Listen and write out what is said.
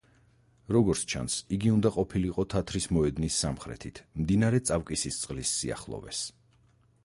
როგორც ჩანს, იგი უნდა ყოფილიყო თათრის მოედნის სამხრეთით, მდინარე წავკისისწყლის სიახლოვეს.